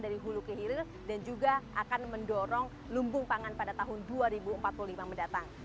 dari hulu ke hilir dan juga akan mendorong lumbung pangan pada tahun dua ribu empat puluh lima mendatang